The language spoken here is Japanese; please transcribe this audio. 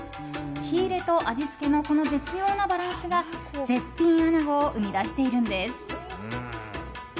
火入れと味付けのこの絶妙なバランスが絶品穴子を生み出しているんです。